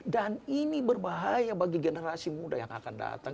dan ini berbahaya bagi generasi muda yang akan datang